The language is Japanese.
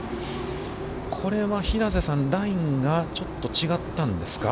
これは平瀬さん、ラインが、ちょっと違ったんですか。